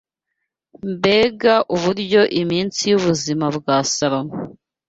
Mbega uburyo iminsi y’ubuzima bwa Salomo